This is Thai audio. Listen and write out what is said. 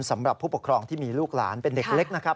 สำหรับผู้ปกครองที่มีลูกหลานเป็นเด็กเล็กนะครับ